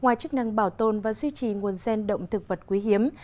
ngoài chức năng bảo tồn và duy trì nguồn gen động thực vật quý hiếm